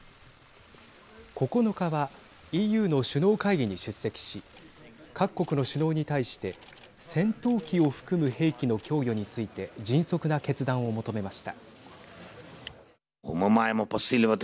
９日はＥＵの首脳会議に出席し各国の首脳に対して戦闘機を含む兵器の供与について迅速な決断を求めました。